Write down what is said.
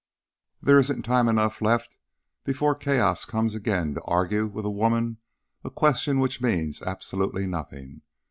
"There isn't time enough left before chaos comes again to argue with a woman a question which means absolutely nothing.